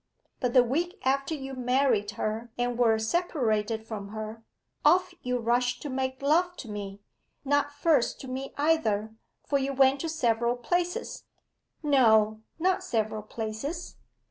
But the week after you married her and were separated from her, off you rush to make love to me not first to me either, for you went to several places ' 'No, not several places.